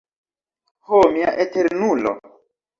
Ho mia Eternulo!